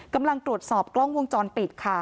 กำลังตรวจสอบกล้องวงจรปิดค่ะ